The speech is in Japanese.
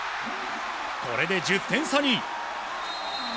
これで１０点差に。